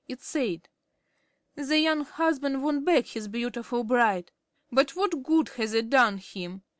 It said: "The young husband won back his beautiful bride. But what good has it done him?